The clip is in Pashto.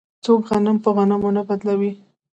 څوک غنم په غنمو نه بدلوي.